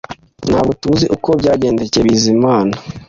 Ntabwo tuzi uko byagendekeye Bizimana